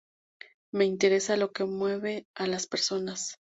Me interesa lo que mueve a las personas.